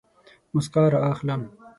موسکا رااخلم